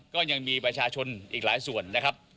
ก็ยังมีประชาชนอีกหลายส่วนนะครับ